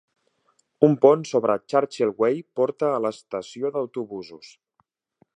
Un pont sobre Churchill Way porta a l'estació d'autobusos.